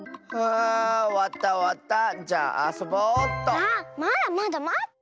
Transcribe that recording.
あまだまだまって。